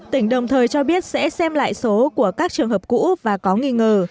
tỉnh đồng thời cho biết sẽ xem lại số của các trường hợp cũ và có nghi ngờ